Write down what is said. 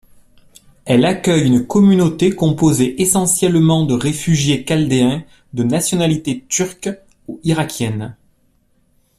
Elle accueille une communauté composée essentiellement de réfugiés chaldéens de nationalité turque ou irakienne.